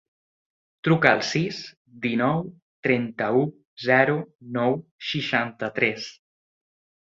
Truca al sis, dinou, trenta-u, zero, nou, seixanta-tres.